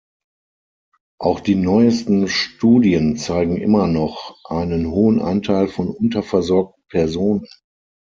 Auch die neuesten Studien zeigen immer noch einen hohen Anteil von unterversorgten Personen.